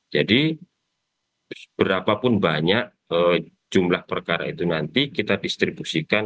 jadi berapapun banyak jumlah perkara itu nanti kita distribusikan